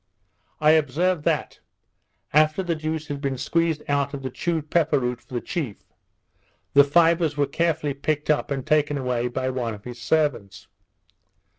I observed that, after the juice had been squeezed out of the chewed pepper root for the chief, the fibres were carefully picked up and taken away by one of his servants.